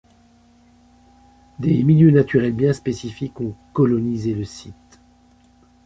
Des milieux naturels bien spécifiques ont colonisé le site.